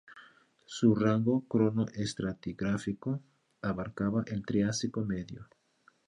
Su rango cronoestratigráfico abarcaba el Triásico medio.